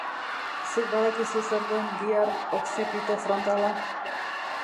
Zuk badakizu zer den gihar okzipitofrontala?